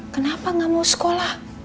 kenapa gak mau sekolah